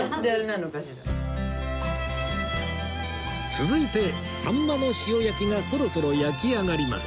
続いてさんまの塩焼きがそろそろ焼き上がります